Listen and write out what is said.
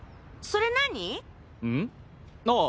それ何？